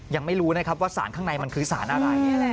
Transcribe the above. ยังไม่รู้นะครับว่าสารข้างในมันคือสารอะไร